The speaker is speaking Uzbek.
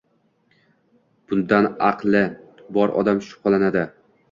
Bundan aqli bor odam shubhalanadi.